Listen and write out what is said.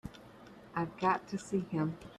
I've got to see him.